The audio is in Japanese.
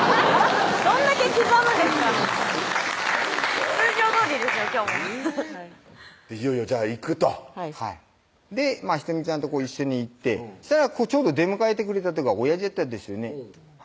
どんだけ刻むんですか通常どおりですよ今日もねぇいよいよじゃあ行くとはい仁美ちゃんと一緒に行ってちょうど出迎えてくれたとがおやじやったんですよね